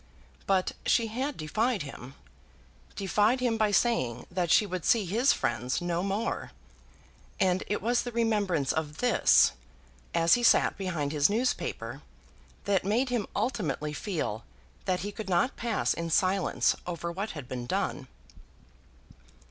But she had defied him, defied him by saying that she would see his friends no more; and it was the remembrance of this, as he sat behind his newspaper, that made him ultimately feel that he could not pass in silence over what had been done.